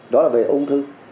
đó là về ung thư